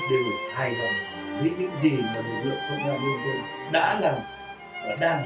đều hài hòng với những gì lực lượng công an liên tục đã làm và đang làm